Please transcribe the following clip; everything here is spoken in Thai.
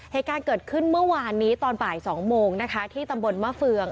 เหตุการณ์เกิดขึ้นเมื่อวานนี้ตอนบ่าย๒โมงนะคะที่ตำบลมะเฟือง